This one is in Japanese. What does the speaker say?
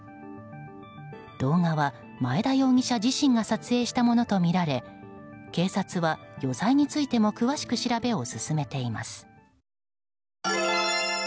動画は前田容疑者自身が撮影したものとみられ警察は余罪についても詳しく調べを進めています。